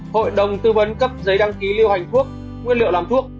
hội đồng tư vấn cấp giấy đăng ký liêu hành thuốc nguyên liệu làm thuốc